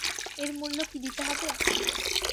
এর মূল্য কী দিতে হবে?